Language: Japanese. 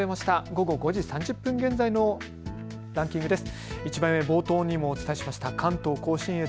午後５時３０分現在のランキングです。